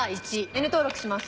Ｎ登録します。